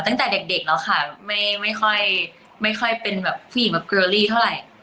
ตั้งแต่เด็กแล้วค่ะไม่ค่อยไม่ค่อยเป็นแบบผู้หญิงแบบเกลือลี่เท่าไหร่